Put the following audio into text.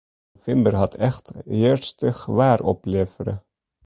Novimber hat echt hjerstich waar oplevere.